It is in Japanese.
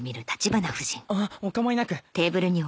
あっお構いなく！